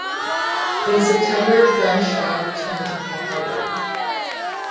In September "Renshaw" returned to Pearl Harbor.